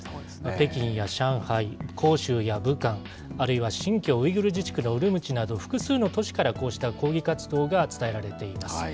北京や上海、広州や武漢、あるいは新疆ウイグル自治区のウルムチなど複数の都市からこうした抗議活動が伝えられています。